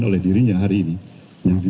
oleh dirinya hari ini yang di